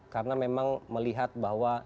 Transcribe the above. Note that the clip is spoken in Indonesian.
karena memang melihat bahwa